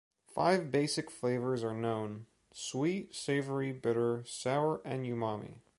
Five basic flavors are known: sweet, savory, bitter, sour and umami.